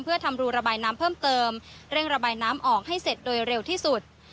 เพื่อทำรูระบายน้ำเพิ่มเติมเร่งระบายน้ำออกให้เสร็จโดยเร็วที่สุด